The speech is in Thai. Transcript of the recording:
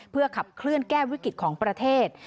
เพื่อขับเคลื่อนแก้วิกฤตของประเทศ